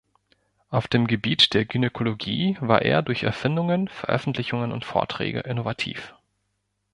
Auf dem Gebiet der Gynäkologie war er durch Erfindungen, Veröffentlichungen und Vorträge innovativ.